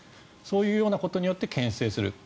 そういうようなことによってけん制する。